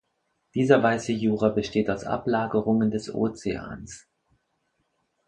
Dieser weiße Jura besteht aus Ablagerungen des Ozeans.